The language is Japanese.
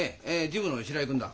事務の白井君だ。